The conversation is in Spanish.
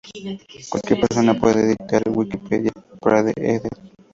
Cualquier persona puede editar wikipedia padre Ed.